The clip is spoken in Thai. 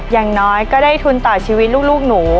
อย่างน้อยก็ได้ทุนต่อชีวิตลูกหนู